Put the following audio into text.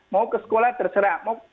mau ke sekolah terserah